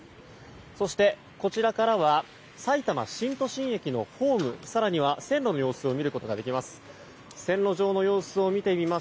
そして、こちらからはさいたま新都心駅のホーム更には線路の様子を見ることができます。